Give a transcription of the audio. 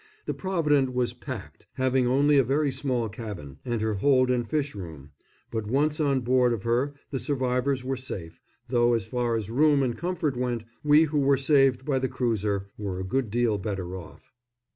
The Provident was packed, having only a very small cabin and her hold and fish room, but once on board of her the survivors were safe, though as far as room and comfort went, we who were saved by the cruiser were a good deal better off.